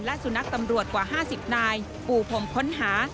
และสุนัขตำรวจกว่าห้าสิบนายปู่ผมพ้นหา